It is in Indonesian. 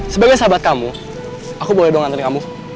sebagai sahabat kamu aku boleh dong nganterin kamu